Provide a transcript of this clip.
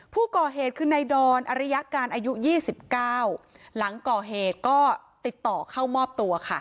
ผู้ก่อเหตุคือในดอนอริยการอายุ๒๙หลังก่อเหตุก็ติดต่อเข้ามอบตัวค่ะ